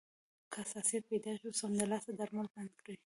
که حساسیت پیدا شو، سمدلاسه درمل بند کړئ.